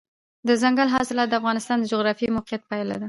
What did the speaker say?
دځنګل حاصلات د افغانستان د جغرافیایي موقیعت پایله ده.